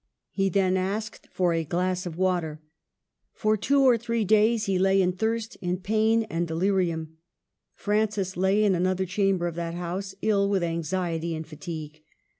He then asked for a glass of water. For two or three days he lay in thirst, in pain and delirium ; Francis lay in another chamber of that house, ill with anxiety and fatigue.